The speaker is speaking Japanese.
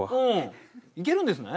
いけるんですね？